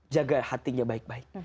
jaga hatinya baik baik